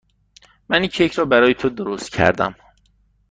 من این کیک را برای تو درست کردم.